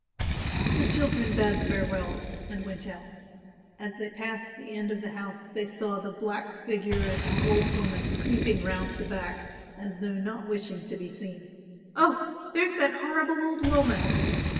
The children bade farewell and went out. As they passed the end of the house they saw the black figure of an old woman creeping round the back as though not wishing to be seen. "Oh, there's that horrible old woman!